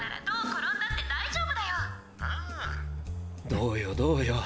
どうよどうよ？